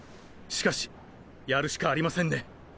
しかしやるしかありませんね！！